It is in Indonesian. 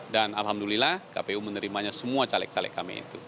dan alhamdulillah kpu menerimanya semua caleg caleg kami itu